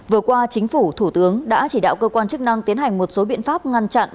vừa qua chính phủ thủ tướng đã chỉ đạo cơ quan chức năng tiến hành một số biện pháp ngăn chặn